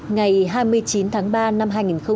ngày hai mươi chín tháng ba năm hai nghìn hai mươi